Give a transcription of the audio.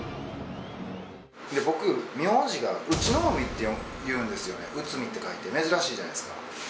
僕、名字がうちのうみっていうんですよね、内海って書いて、珍しいじゃないですか。